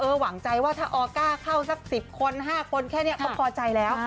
เออหวังใจว่าถ้าออก้าเข้าสักสิบคนห้าคนแค่เนี่ยเขาพอใจแล้ว